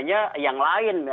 tapi yang lain